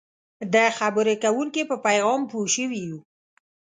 د خبرې کوونکي په پیغام پوه شوي یو.